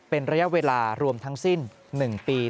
เป็นระยะเวลารวมทั้งสิ้น๑ปี